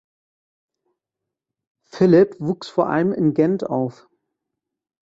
Philipp wuchs vor allem in Gent auf.